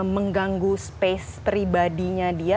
mengganggu space pribadinya dia